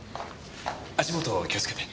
足下気をつけて。